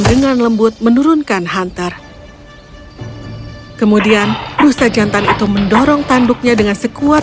dengan lembut menurunkan hunter kemudian rusa jantan itu mendorong tanduknya dengan sekuat